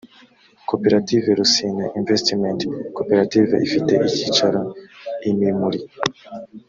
koperative rusine investment cooperative ifite icyicaro i mimuli